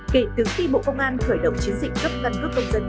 kể từ khi bộ công an khởi động chiến dịch cấp căn cước công dân